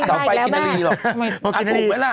สาวไฟกินทรีย์หรอกอาคุมไหมล่ะ